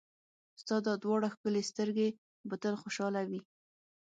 ستا دا دواړه ښکلې سترګې به تل خوشحاله وي.